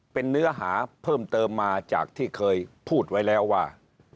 เป็นเนื้อหาเพิ่มเติมมาจากที่เคยพูดไว้แล้วว่า